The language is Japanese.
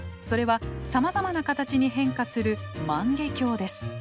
それはさまざまな形に変化する万華鏡です。